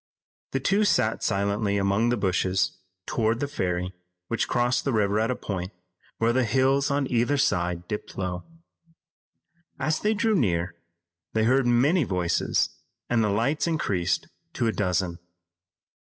The two went silently among the bushes toward the ferry which crossed the river at a point where the hills on either side dipped low. As they drew near, they heard many voices and the lights increased to a dozen.